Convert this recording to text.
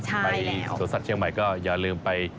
ไปสวนสัตว์เชียงใหม่ก็อย่าลืมไป